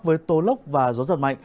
với tố lốc và gió giật mạnh